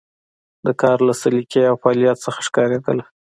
د کار له سلیقې او فعالیت څخه ښکارېدله.